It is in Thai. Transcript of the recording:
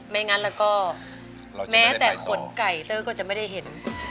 ไม่งั้นแล้วก็แม้แต่ขนไก่เตอร์ก็จะไม่ได้เห็น